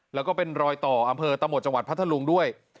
แล้วก็เป็นรอยต่ออำเภอตะหมดจังหวัดพัทธลุงด้วย